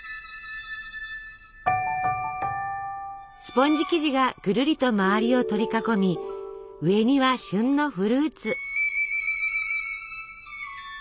スポンジ生地がぐるりと周りを取り囲み上には旬のフルーツ。